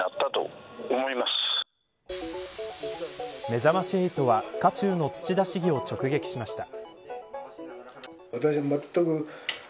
めざまし８は渦中の土田市議を直撃しました。